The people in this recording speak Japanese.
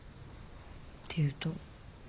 っていうと？